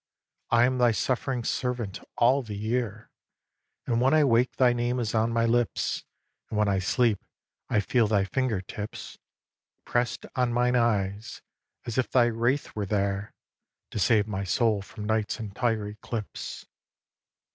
I am thy suffering servant all the year; And when I wake thy name is on my lips, And when I sleep I feel thy finger tips Press'd on mine eyes, as if thy wraith were there, To save my soul from night's entire eclipse.